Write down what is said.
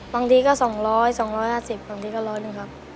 บางทีก็๒๐๐๒๕๐บาทบางทีก็๑๐๐บาทครับ